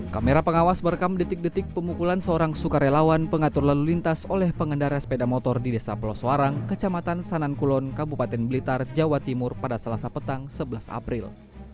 kamera pengawas merekam detik detik pemukulan seorang sukarelawan pengatur lalu lintas oleh pengendara sepeda motor di desa pelosoarang kecamatan sanankulon kabupaten blitar jawa timur pada selasa petang sebelas april